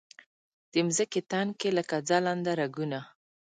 د مځکې تن کې لکه ځلنده رګونه